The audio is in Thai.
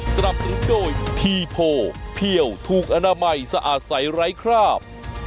สำหรับที่โปรเพี่ยวถูกอนามัยสะอาดใสไร้คราบ